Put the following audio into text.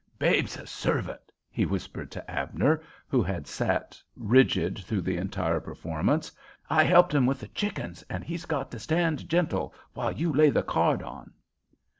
"Babe's a servant," he whispered to Abner, who had sat rigid through the entire performance. "I helped him with the chickens, and he's got to stand gentle while you lay the card on."